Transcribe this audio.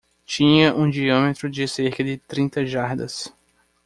Tinha um diâmetro de cerca de trinta jardas.